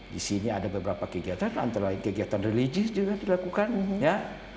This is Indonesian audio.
di sini ada beberapa kegiatan antara lain kegiatan religis juga dilakukan ya